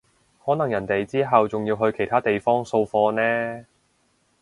可能人哋之後仲要去其他地方掃貨呢